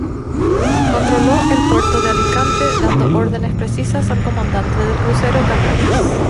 Controló el puerto de Alicante dando órdenes precisas al comandante del Crucero Canarias.